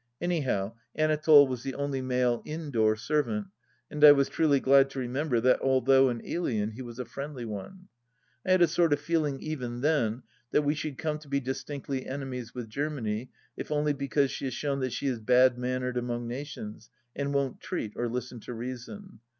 Anyhow, Anatole was the only male indoor servant, and I was truly glad to remember that, although an alien, he was a friendly one, I had a sort of feeling, even then, that we should come to be distinctly enemies with Germany, if only because she has shown that she is bad mannered among nations and won't treat or listen to reason.